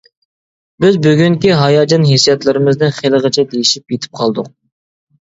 بىز بۈگۈنكى ھاياجان ھېسسىياتلىرىمىزنى خېلىغىچە دېيىشىپ يېتىپ قالدۇق.